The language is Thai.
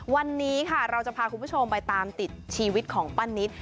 วันนี้ค่ะเราจะพาคุณผู้ชมไปตามติดชีวิตของป้านิต